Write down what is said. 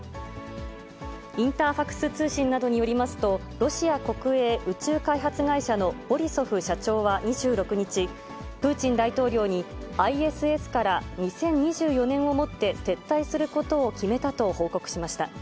インターファクス通信などによりますと、ロシア国営宇宙開発会社のボリソフ社長は２６日、プーチン大統領にＩＳＳから２０２４年をもって撤退することを決めたと報告しました。